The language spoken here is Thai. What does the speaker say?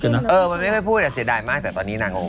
เออมันไม่ค่อยพูดเสียดายมากแต่ตอนนี้นางง